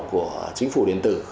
của chính phủ điện tử